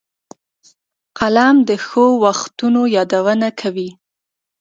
قلم د ښو وختونو یادونه کوي